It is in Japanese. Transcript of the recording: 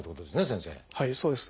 はいそうです。